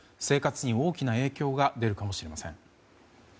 生活に大きな影響が出るかもしれません。